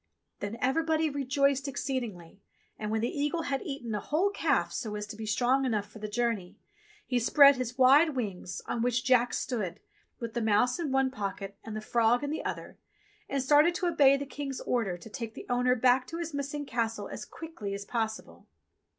Then everybody rejoiced exceedingly, and when the eagle had eaten a whole calf so as to be strong enough for the journey, he spread his wide wings, on which Jack stood, with the mouse in one pocket and the frog in the other, and started to obey the King's order to take the owner back to his missing Castle as quickly as possible.